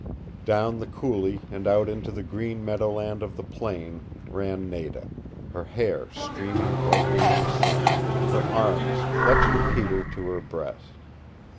Down the coulee and out into the green meadowland of the plain ran Nada, her hair streaming brightly in the sun, her arms clutching Peter to her breast.